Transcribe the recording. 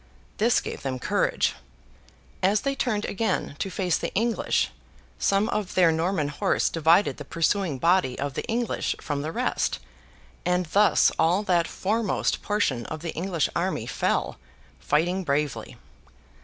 This gave them courage. As they turned again to face the English, some of their Norman horse divided the pursuing body of the English from the rest, and thus all that foremost portion of the English army fell, fighting bravely.